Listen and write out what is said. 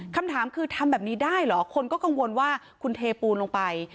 คำถามคือทำแบบนี้ได้เหรอคนก็กังวลว่าคุณเทปูนลงไป